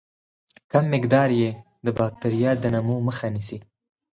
کم مقدار یې د باکتریاوو د نمو مخه نیسي.